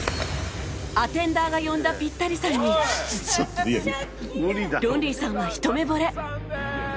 アテンダーが呼んだピッタリさんにロンリーさんはひと目ぼれ